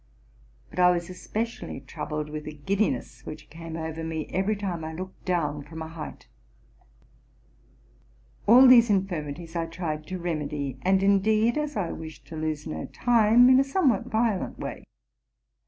But I was especially troubled with a giddiness which came over me every time I looked down from a height. . All these infirmities I tried to remedy, and, indeed, as I wished to lose no time, in a somewhat violent way.